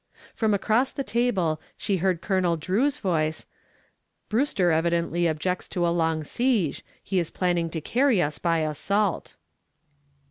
From across the table she heard Colonel Drew's voice, "Brewster evidently objects to a long siege. He is planning to carry us by assault."